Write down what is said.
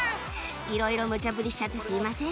いろいろむちゃ振りしちゃってすみません